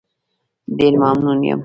ډېر ممنون یم.